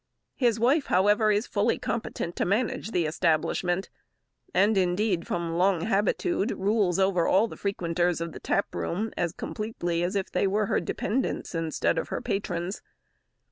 His wife, however, is fully competent to manage the establishment; and, indeed, from long habitude, rules over all the frequenters of the tap room as completely as if they were her dependants instead of her patrons.